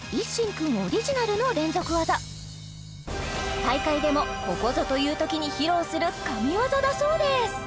君オリジナルの連続技大会でもここぞというときに披露する神ワザだそうです